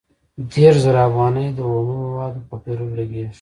دېرش زره افغانۍ د اومه موادو په پېرلو لګېږي